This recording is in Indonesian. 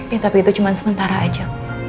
ya tapi itu cuma sementara aja